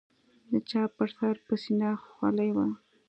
د چا پر سر به سپينه خولۍ وه.